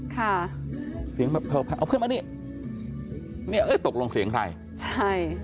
ค่ะเสียงแบบเออเอาขึ้นมานี่เนี่ยเอ้ยตกลงเสียงใครใช่